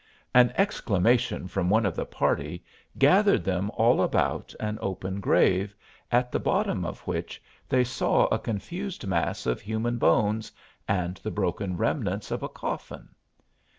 An exclamation from one of the party gathered them all about an open grave, at the bottom of which they saw a confused mass of human bones and the broken remnants of a coffin.